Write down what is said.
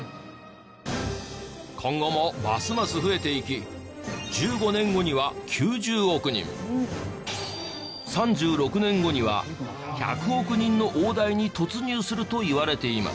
今後もますます増えていき１５年後には９０億人３６年後には１００億人の大台に突入するといわれています。